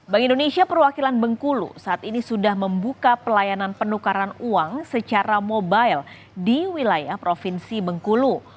bank indonesia perwakilan bengkulu saat ini sudah membuka pelayanan penukaran uang secara mobile di wilayah provinsi bengkulu